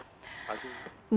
dan sampai jumpa lagi